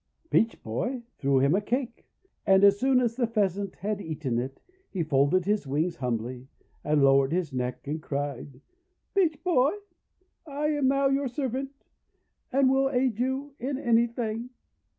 Peach Boy threw him a cake. And as soon as the Pheasant had eaten it, he folded his wings humbly, and lowered his neck, and cried: — 'Peach Boy, I am now your servant, and will aid you in anything.'